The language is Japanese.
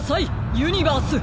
ユニバース！